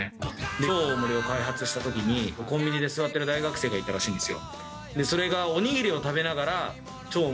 超大盛を開発したときに、コンビニに座っている大学生を見たらしいんですよ。